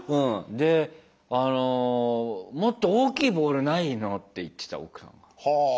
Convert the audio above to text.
であの「もっと大きいボールないの？」って言ってた奥さんが。は！